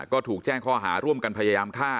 ก็ถูกแจ้งข้อหาร่วมกันพยายามฆ่า